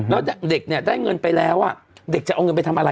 แล้วเด็กเนี่ยได้เงินไปแล้วเด็กจะเอาเงินไปทำอะไร